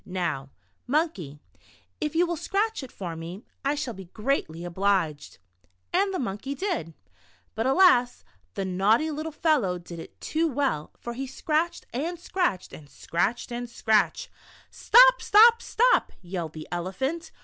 Now, Monkey, if you will scratch it for me, I shall be greatly obliged." And the Monkey did. But alas, the naughty little fel low did it too well, for he scratched and scratched and scratched and scratched. "Stop, stop, stop," yelled the Elephant.